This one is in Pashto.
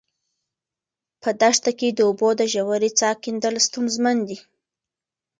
په دښته کې د اوبو د ژورې څاه کیندل ستونزمن دي.